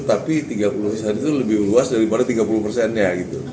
tapi tiga puluh persen itu lebih luas daripada tiga puluh persennya gitu